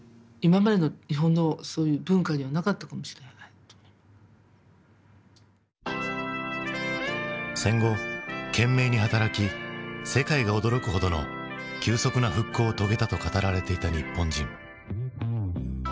そして行く時も戦後懸命に働き世界が驚くほどの急速な復興を遂げたと語られていた日本人。